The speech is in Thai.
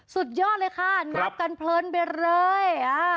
สุดยอดเลยค่ะนับกันเพลินไปเลย